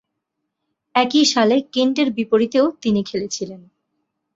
একই সালে কেন্টের বিপক্ষেও তিনি খেলেছিলেন।